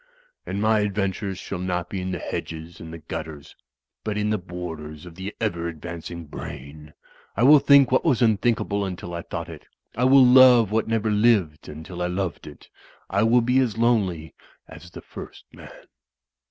And my adventures shall not be in the hedges and the gutters, but in the borders of the ever advancing brain. I will think what was unthink able until I thought it; I will love what never lived until I loved it — I will be as lonely as the First Man."